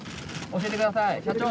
教えてください社長。